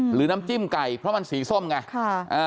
หรือน้ำจิ้มไก่เพราะมันสีส้มไง